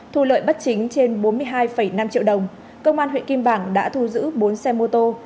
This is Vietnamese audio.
thu lợi bất chính trên bốn mươi hai năm triệu đồng công an huyện kim bảng đã thu giữ bốn xe mô tô